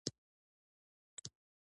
د جنجال اصلي ټکی همدا دی.